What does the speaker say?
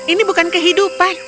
ini bukan kehidupan